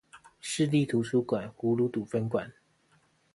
市立圖書館葫蘆堵分館